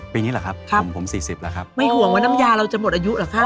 ปีนี้หรือครับผม๔๐แล้วครับไม่ห่วงว่าน้ำยาเราจะหมดอายุหรือครับ